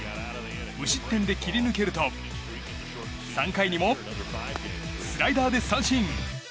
無失点で切り抜けると３回にもスライダーで三振。